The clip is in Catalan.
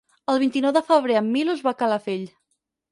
El vint-i-nou de febrer en Milos va a Calafell.